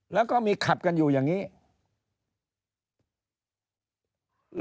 แล้วก็มีขับกันอยู่อย่างนี้